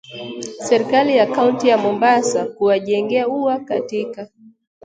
serikali ya kaunti ya mombasa kuwajengea ua katika